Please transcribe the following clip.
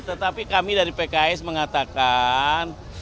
tetapi kami dari pks mengatakan